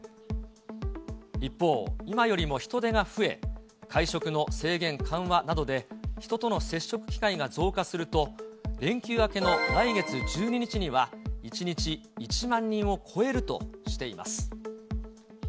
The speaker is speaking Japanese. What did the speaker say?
一方、今よりも人出が増え、会食の制限緩和などで人との接触機会が増加すると、連休明けの来月１２日には、１日１万人を超えるとしています。